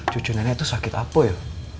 cucu nenek itu sakit apu ya